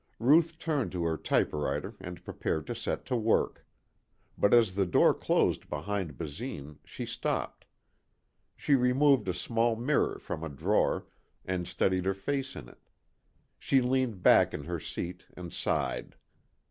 Ruth turned to her typewriter and prepared to set to work. But as the door closed behind Basine she stopped. She removed a small mirror from a drawer and studied her face in it. She leaned back in her seat and sighed.